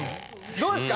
どうですか？